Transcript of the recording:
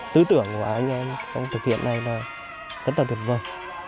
tư tưởng của anh em trong thực hiện này là rất là tuyệt vời